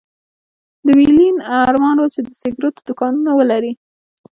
د ويلين ارمان و چې د سګرېټو دوکانونه ولري